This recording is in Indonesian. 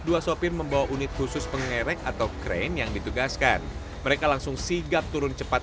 dua sopir membawa unit khusus pengerek atau krain yang ditugaskan mereka langsung sigap turun cepat